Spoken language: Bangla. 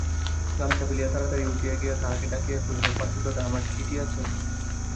গামছা ফেলিয়া তাড়াতাড়ি উঠিয়া গিয়া তাহাকে ডাকিয়া কহিল, পাঁচুদাদা, আমার চিঠি আছে?